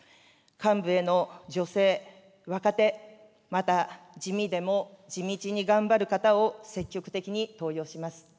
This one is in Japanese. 幹部への女性、若手、また地味でも地道に頑張る方を積極的に登用します。